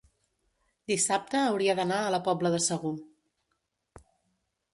dissabte hauria d'anar a la Pobla de Segur.